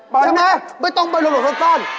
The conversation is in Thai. บอลไม่ต้องไปหลบซ่อน